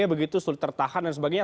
begitu sulit tertahan dan sebagainya